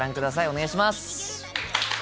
お願いします。